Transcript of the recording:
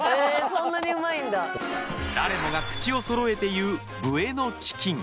誰もが口をそろえて言うブエノチキン。